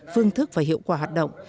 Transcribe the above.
phương thức và hiệu quả hoạt động